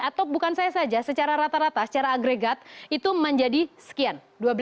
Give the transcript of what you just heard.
atau bukan saya saja secara rata rata secara agregat itu menjadi sekian